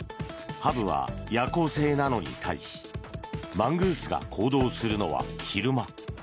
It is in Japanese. ハブは夜行性なのに対しマングースが行動するのは昼間。